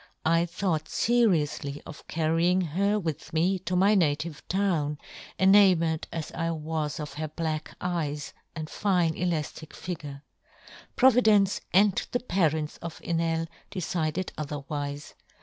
I thought yohn Gutenberg. 123 ferioufly of carrying her with me to my native town, enamoured as I was of her black eyes and fine elaftic figure ; Providence and the parents of Enel decided other wife.